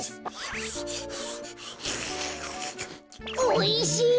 おいしい！